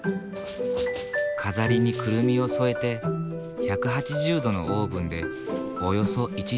飾りにくるみを添えて１８０℃のオーブンでおよそ１時間焼く。